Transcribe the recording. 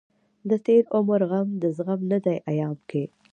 دتېر عمر غم دزغم نه دی ايام کې